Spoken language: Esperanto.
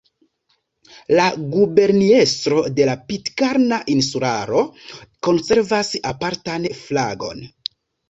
La Guberniestro de la Pitkarna Insularo konservas apartan flagon.